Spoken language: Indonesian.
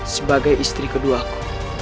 sebagai istri keduaku